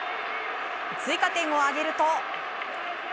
追加点を挙げると。